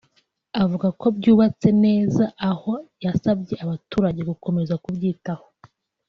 avuga ko byubatse neza ; aho yasabye abaturage gukomeza kubyitaho